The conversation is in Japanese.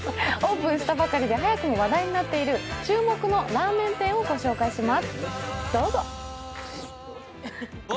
オープンしたばかりで早くも話題になっている注目のラーメン店をご紹介します。